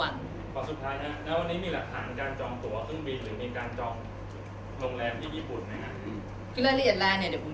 มันมีเขียนอยู่แล้วในโปรแกรม